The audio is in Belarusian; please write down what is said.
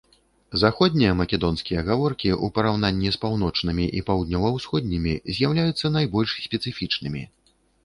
Заходнія македонскія гаворкі ў параўнанні з паўночнымі і паўднёва-ўсходнімі з'яўляюцца найбольш спецыфічнымі.